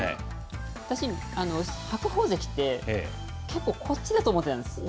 私、白鵬関って結構、こっちだと思ってたんですよ。